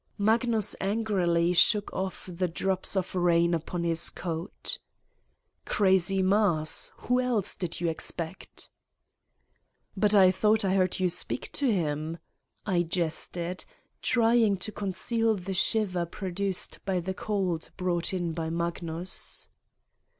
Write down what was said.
Magnus angrily shook off the drops of rain upon his coat. "Crazy Mars. Who else did you expect?" "But I thought I heard you speak to him?" I jested, trying to conceal the shiver produced by the cold brought in by Magnus.